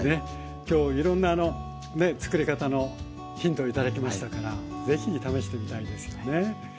きょういろんなね作り方のヒントを頂きましたから是非試してみたいですよね。